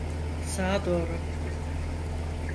Sağa doğru.